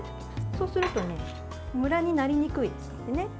そうするとムラになりにくいですのでね。